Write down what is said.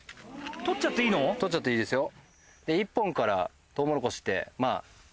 あれ⁉採っちゃっていいですよ。